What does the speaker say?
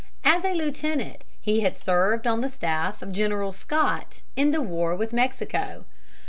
As a lieutenant he had served on the staff of General Scott in the war with Mexico.